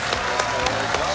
お願いします。